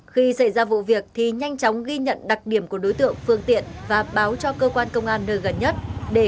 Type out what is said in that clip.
khi xảy ra vụ việc thì nhanh chóng ghi nhận đặc điểm của đối tượng phương tiện và báo cho cơ quan công an nơi gần nhất để kịp thời xử lý